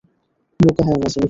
বোকা হয়ো না, জেনিফার।